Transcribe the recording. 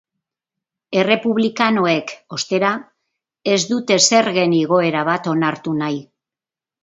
Errepublikanoek, ostera, ez dute zergen igoera bat onartu nahi.